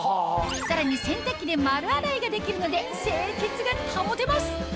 さらに洗濯機で丸洗いができるので清潔が保てます